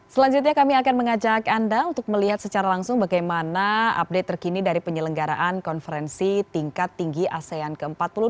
selanjutnya kami akan mengajak anda untuk melihat secara langsung bagaimana update terkini dari penyelenggaraan konferensi tingkat tinggi asean ke empat puluh dua